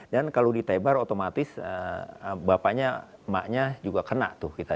dan kalau ditebar otomatis bapaknya emaknya juga kena tuh kita